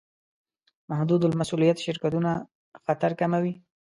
محدودالمسوولیت شرکتونه خطر کموي.